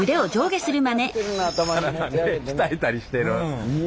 体ね鍛えたりしてる。